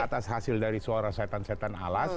atas hasil dari suara setan setan alas